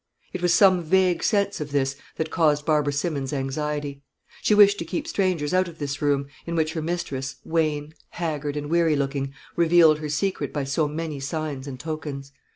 It was some vague sense of this that caused Barbara Simmons's anxiety. She wished to keep strangers out of this room, in which her mistress, wan, haggard, and weary looking, revealed her secret by so many signs and tokens.